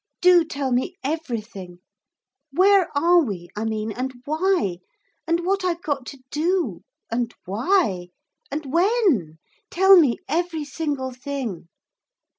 Do tell me everything. Where are we, I mean, and why? And what I've got to do. And why? And when? Tell me every single thing.'